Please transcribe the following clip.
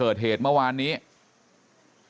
ไปรับศพของเนมมาตั้งบำเพ็ญกุศลที่วัดสิงคูยางอเภอโคกสำโรงนะครับ